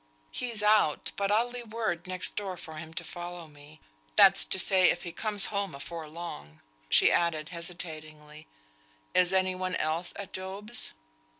"He's out, but I'll leave word next door for him to follow me; that's to say, if he comes home afore long." She added, hesitatingly, "Is any one else at Job's?"